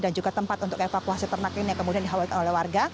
dan juga tempat untuk evakuasi ternak ini yang kemudian dikhawatirkan oleh warga